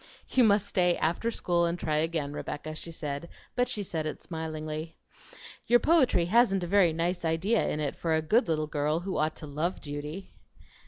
"You must stay after school and try again, Rebecca," she said, but she said it smilingly. "Your poetry hasn't a very nice idea in it for a good little girl who ought to love duty."